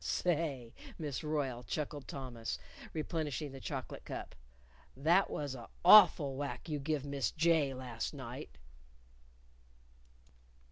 _ "Say, Miss Royle," chuckled Thomas, replenishing the chocolate cup, "that was a' awful whack you give Miss J last night."